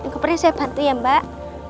keperin saya bantu ya mbak